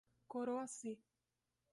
Coroaci